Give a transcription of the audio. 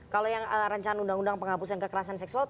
kalau yang rancangan undang undang penghapusan kekerasan seksual